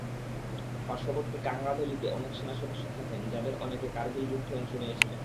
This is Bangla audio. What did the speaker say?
পার্শ্ববর্তী কাংরা ভ্যালিতে অনেক সেনাসদস্য থাকেন, যাঁদের অনেকে কারগিল যুদ্ধে অংশ নিয়েছিলেন।